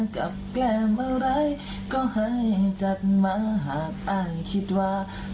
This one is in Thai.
กับแกรมอะไรก็ให้จัดมา